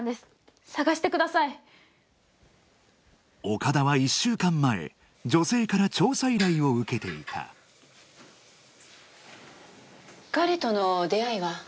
岡田は１週間前女性から調査依頼を受けていた彼との出会いは？